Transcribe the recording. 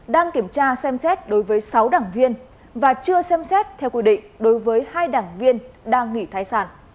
đang kiểm tra xem xét đối với sáu đảng viên và chưa xem xét theo quy định đối với hai đảng viên đang nghỉ thai sản